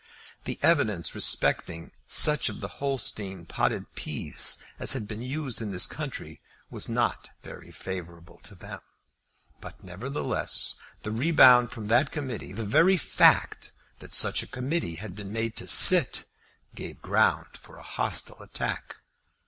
The evidence respecting such of the Holstein potted peas as had been used in this country was not very favourable to them. But, nevertheless, the rebound from that committee, the very fact that such a committee had been made to sit, gave ground for a hostile attack.